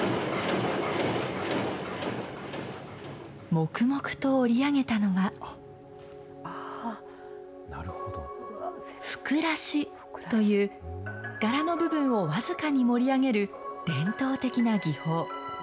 黙々と織り上げたのは、ふくらしという、柄の部分を僅かに盛り上げる伝統的な技法。